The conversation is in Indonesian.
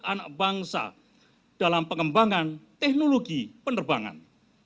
anak bangsa dalam pengembangan teknologi penerbangan